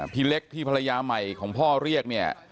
พี่เล็กที่ภรรยาใหม่ของพ่อเรียกเนี่ย